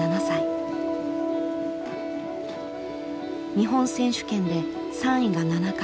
日本選手権で３位が７回。